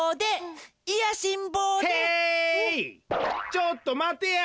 ちょっとまてや！